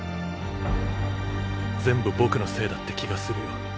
全部僕のせいだって気がするよ。